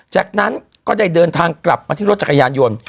จากนั้นก็ได้เดินทางกลับมาที่รถจักรยานยนต์